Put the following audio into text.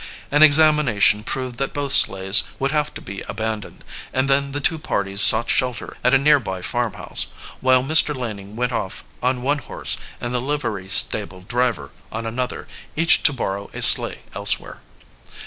An examination proved that both sleighs would have to be abandoned, and then the two parties sought shelter at a near by farmhouse, while Mr. Laning went off on one horse, and the livery stable driver on another, each to borrow a sleigh elsewhere.